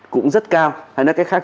cũng rất cao hay nói cách khác